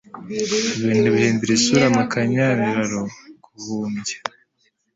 ibintu bihindura isura mukanyanlalo guhumbya